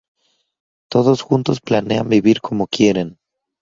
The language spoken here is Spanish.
Todos juntos planean vivir como quieren.